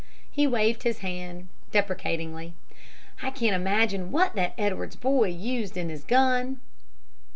He waved his hand deprecatingly. "I can't imagine what that Edwards boy used in his gun."